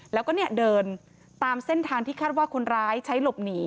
แล้วก็เดินตามเส้นทางที่คาดว่าคนร้ายใช้หลบหนี